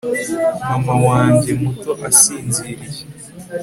Mama wanjye muto asinziriye